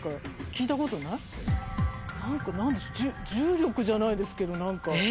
何か重力じゃないですけど。